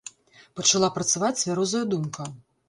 Пачала працаваць цвярозая думка.